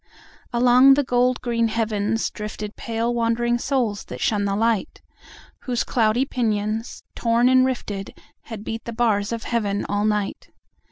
Along the gold green heavens driftedPale wandering souls that shun the light, Whose cloudy pinions, torn and rifted, Had beat the bars of Heaven all night.